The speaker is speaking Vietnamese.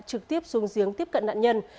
trực tiếp xuống giếng tiếp cận nạn nhân